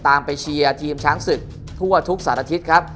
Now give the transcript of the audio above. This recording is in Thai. ไปเชียร์ทีมช้างศึกทั่วทุกสารอาทิตย์ครับ